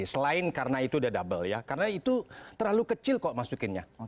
selain karena itu udah double ya karena itu terlalu kecil kok masukinnya